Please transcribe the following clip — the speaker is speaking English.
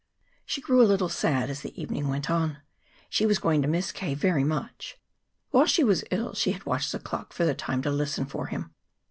She grew a little sad as the evening went on. She was going to miss K. very much. While she was ill she had watched the clock for the time to listen for him.